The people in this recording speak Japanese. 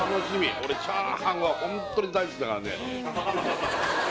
俺チャーハンはホントに大好きだからね